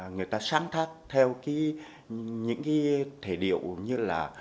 người ta sáng tác theo những cái thể điệu như là